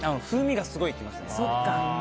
風味がすごい、きますね。